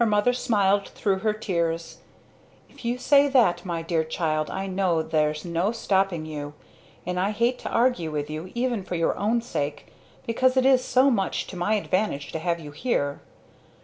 Her mother smiled through her tears. "If you say that, my dear child, I know there's no stopping you. And I hate to argue with you even for your own sake, because it is so much to my advantage to have you here.